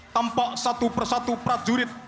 tampak satu persatu prajurit